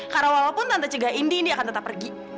karena walaupun tante cegah indi indi akan tetap pergi